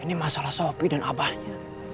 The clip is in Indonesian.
ini masalah sopi dan abahnya